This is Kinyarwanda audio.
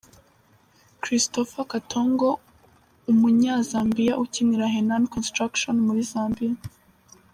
Christopher Katongo – umunyazambiya ukinira Henan Construction muri Zambiya.